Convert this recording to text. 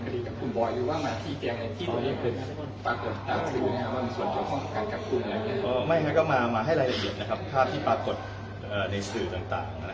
รู้จักในนามอะไรครับในเรื่องของการเข้ามา